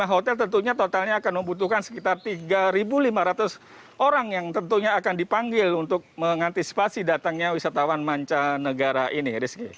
tiga puluh lima hotel tentunya totalnya akan membutuhkan sekitar tiga lima ratus orang yang tentunya akan dipanggil untuk mengantisipasi datangnya wisatawan manca negara ini